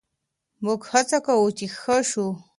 موږ هڅه کوو چې ښه شو.